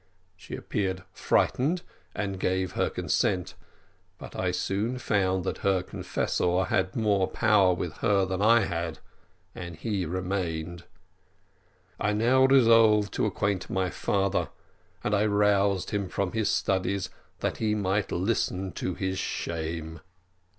She appeared frightened, and gave her consent; but I soon found that her confessor had more power with her than I had, and he remained. I now resolved to acquaint my father, and I roused him from his studies that he might listen to his shame.